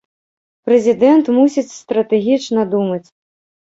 Прэзідэнт мусіць стратэгічна думаць.